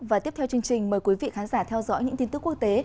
và tiếp theo chương trình mời quý vị khán giả theo dõi những tin tức quốc tế